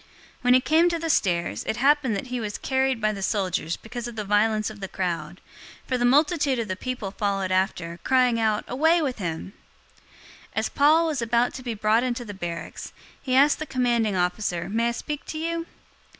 021:035 When he came to the stairs, it happened that he was carried by the soldiers because of the violence of the crowd; 021:036 for the multitude of the people followed after, crying out, "Away with him!" 021:037 As Paul was about to be brought into the barracks, he asked the commanding officer, "May I speak to you?"